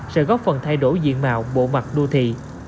sẽ góp phần thay đổi diện mạo bộ mặt đô thị